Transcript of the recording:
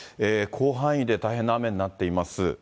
広範囲で大変な雨になっています。